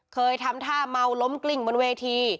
เคยทำท่าเมาล้มกลิ้งบนเวที